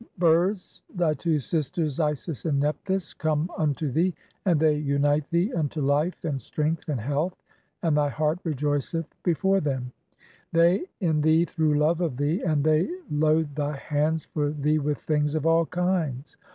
"(7) births, thy two sisters Isis and Nephthys come unto "thee, and they unite thee unto life, and strength, and health, "and thy heart rejoiceth before them ; (8) they ... in "thee through love of thee, and they load thy hands for thee "with things of all kinds.